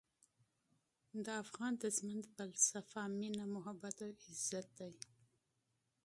د افغان د ژوند فلسفه مینه، محبت او عزت دی.